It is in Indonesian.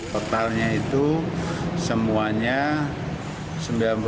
totalnya itu semuanya rp sembilan puluh